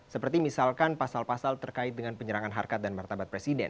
seperti misalkan pasal pasal terkait dengan penyerangan harkat dan martabat presiden